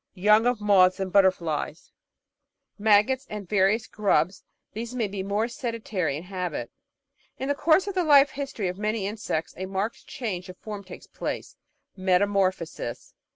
young of moths and butterflies). 534 The Outline of Science maggots, and various grubs, and these may be more sedentary in habit. In the course of the life history of many insects a marked change of form takes place — ^metamorphosis.